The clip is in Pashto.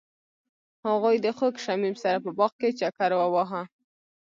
هغوی د خوږ شمیم سره په باغ کې چکر وواهه.